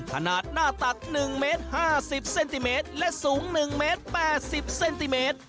ขนาดหน้าตัก๑เมตร๕๐เซนติเมตรและสูง๑เมตร๘๐เซนติเมตร